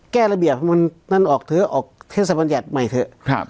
แก้ระเบียบให้มันนั้นออกทรือออกเทศภรรยัตรใหม่เถอะ